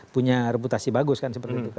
punya reputasi bagus kan